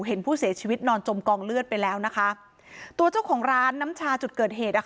เห็นผู้เสียชีวิตนอนจมกองเลือดไปแล้วนะคะตัวเจ้าของร้านน้ำชาจุดเกิดเหตุอ่ะค่ะ